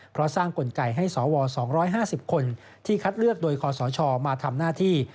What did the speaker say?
เพราะสร้างกลไกให้สว๒๕๐คนที่คัดเลือกโดยคอสชมาทำหน้าที่